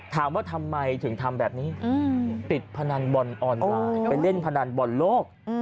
ถามว่าทำไมถึงทำแบบนี้ติดพนันบอลออนไลน์ไปเล่นพนันบอลโลก